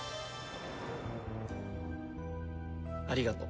ありがとう。